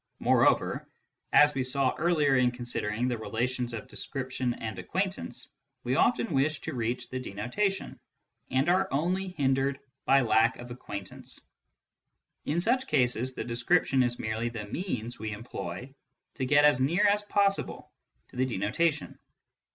Moreover, as we saw earlier in considering the relations of description and acquaintance, we often wish to reach the denotation, and are only hindered by lack of acquaintance : in such cases the description is merely the means we employ to get as near as possible to the denotation.